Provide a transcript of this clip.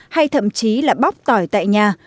hay thậm chí là bóc tỏi tại nhà